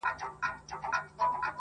• چي هر لوري ته یې واچول لاسونه -